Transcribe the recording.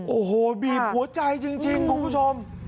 โอ้โหบีบหัวใจจริงคุณผู้ชม